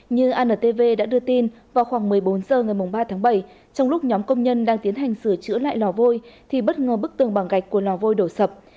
như antv đã đưa tin vào khoảng một mươi bốn h ngày ba tháng bảy trong lúc nhóm công nhân đang tiến hành sửa chữa lại lò vôi thì bất ngờ bức tường bằng gạch của lò vôi đổ sập